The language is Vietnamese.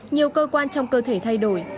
nhiều cơ quan trong cơ thể thay đổi